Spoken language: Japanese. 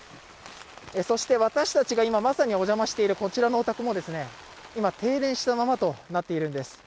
そして私たちが今、まさにお邪魔しているこちらのお宅も今、停電したままとなっているんです。